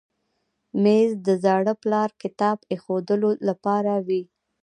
مېز د زاړه پلار کتاب ایښودلو لپاره وي.